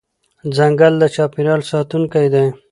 ځنګل د چاپېریال ساتونکی دی.